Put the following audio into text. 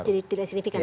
jadi tidak signifikan